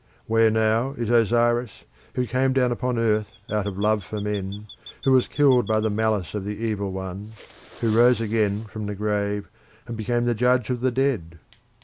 Where now is Osiris, who came down upon earth out of love for men, who was killed by the malice of the Evil One, who rose again from the grave, and became the Judge of the dead?